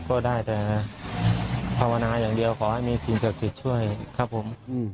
ก็ได้แต่ภาวนาอย่างเดียวขอให้มีสิ่งศักดิ์สิทธิ์ช่วยครับผม